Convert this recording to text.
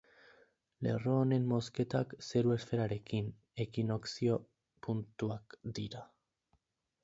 Lerro honen mozketak zeru esferarekin, ekinokzio puntuak dira.